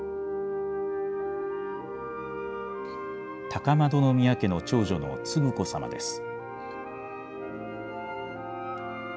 高円宮家の長女の承子さまです。